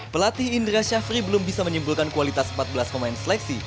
pelatih indra syafri belum bisa menyimpulkan kualitas empat belas pemain seleksi